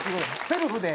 セルフで。